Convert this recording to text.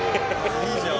いいじゃん。